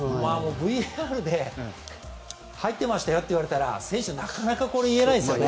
ＶＡＲで入ってましたよって言われたら選手はなかなか言えないですよね。